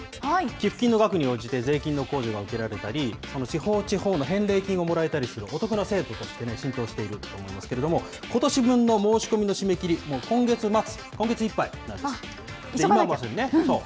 寄付金の額に応じて税金の控除が受けられたり、その地方地方の返礼品をもらえたりするお得な制度として浸透していると思うんですけれども、ことし分の申し込みの締め切り、もう今月末、今月いっぱいなんで急がなきゃ。